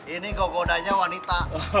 ini kok godanya wanita